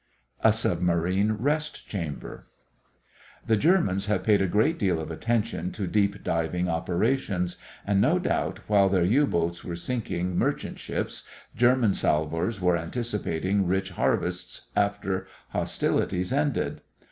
A SUBMARINE REST CHAMBER The Germans have paid a great deal of attention to deep diving operations, and no doubt while their U boats were sinking merchant ships German salvors were anticipating rich harvests after hostilities ended.